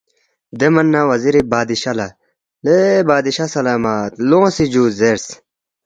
دے من نہ وزیری بادشاہ لہ ”لے بادشاہ سلامت لونگسی جُو” زیرس